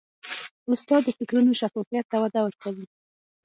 استاد د فکرونو شفافیت ته وده ورکوي.